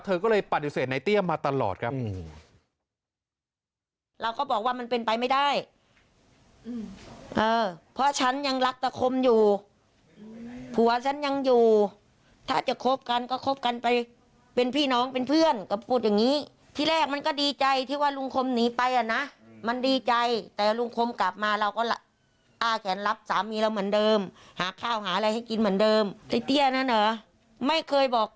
เธอก็เลยปฏิเสธในเตี้ยมาตลอดครับ